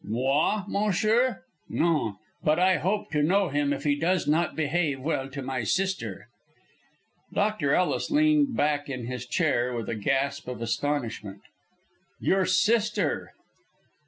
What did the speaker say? "Moi, monsieur? Non! but I hope to know him if he does not behave well to my sister." Dr. Ellis leant back in his chair with a gasp of astonishment. "Your sister!"